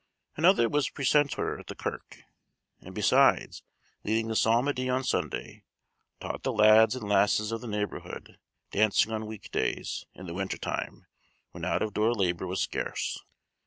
Another was precentor at the Kirk, and, besides leading the psalmody on Sunday, taught the lads and lasses of the neighborhood dancing on week days, in the winter time, when out of door labor was scarce.